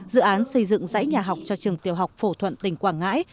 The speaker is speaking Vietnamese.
dự án xây dựng dãy nhà học cho trường tiểu học phổ thuận tỉnh quảng ngãi